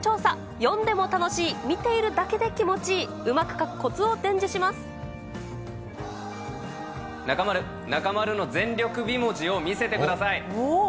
読んでも楽しい見ているだけで気持ちいいうまく書くコツを伝授し中丸、中丸の全力美文字を見せてください。